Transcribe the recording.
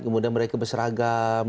kemudian mereka berseragam